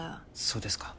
そうですか。